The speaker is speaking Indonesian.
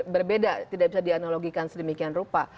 berbeda tidak bisa dianalogikan sedemikian rupa